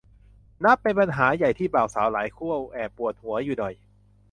นับเป็นปัญหาใหญ่ที่บ่าวสาวหลายคู่แอบปวดหัวอยู่หน่อย